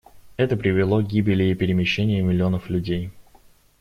Это привело к гибели и перемещению миллионов людей.